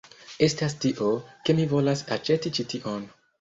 estas tio, ke mi volas aĉeti ĉi tion.